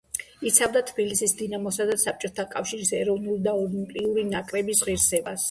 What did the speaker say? იცავდა თბილისის „დინამოსა“ და საბჭოთა კავშირის ეროვნული და ოლიმპიური ნაკრების ღირსებას.